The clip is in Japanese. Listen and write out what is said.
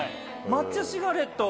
抹茶シガレット。